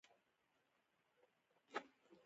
دا هغه د روحانیت او معنویت لوړو پوړیو ته رسوي